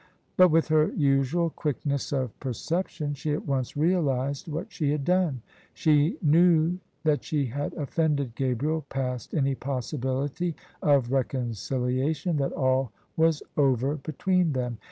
But, with her usual quickness of perception, she at once realised what she had done. She knew that she had offended Gabriel past any possibility of reconciliation — that all was over between them.